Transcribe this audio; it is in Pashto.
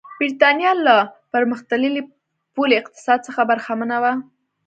برېټانیا له پرمختللي پولي اقتصاد څخه برخمنه وه.